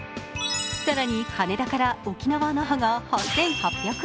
更に羽田から沖縄・那覇が８８００円。